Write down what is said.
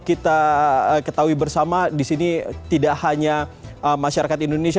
kita ketahui bersama di sini tidak hanya masyarakat indonesia